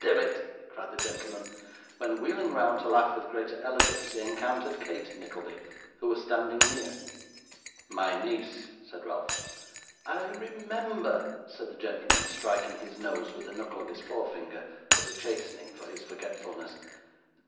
demmit,' cried the gentleman; when, wheeling round to laugh with greater elegance, he encountered Kate Nickleby, who was standing near. 'My niece,' said Ralph. 'I remember,' said the gentleman, striking his nose with the knuckle of his forefinger as a chastening for his forgetfulness.